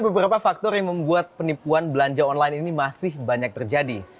beberapa faktor yang membuat penipuan belanja online ini masih banyak terjadi